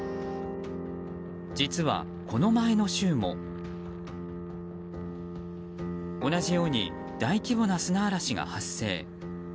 実は、この前の週も同じように大規模な砂嵐が発生。